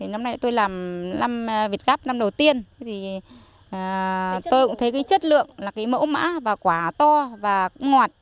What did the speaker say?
năm nay tôi làm việt gáp năm đầu tiên tôi cũng thấy chất lượng mẫu mã quả to và ngọt